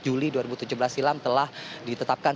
juli dua ribu tujuh belas silam telah ditetapkan